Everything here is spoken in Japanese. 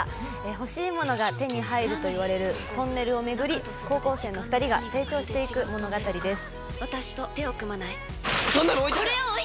欲しいものが手に入ると言われるトンネルをめぐり、高校生の２人が成長していく物語です。